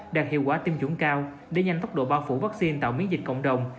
đạt hiệu quả tiêm chủng cao để nhanh tốc độ bao phủ vaccine tạo miễn dịch cộng đồng